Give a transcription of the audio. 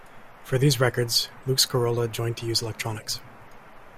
For these records, Luke Scarola joined to use electronics.